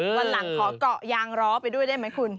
วันหลังขอเกาะยางล้อไปด้วยได้ไหมคุณ